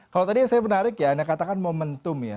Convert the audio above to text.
kalau tadi yang saya menarik ya anda katakan momentum ya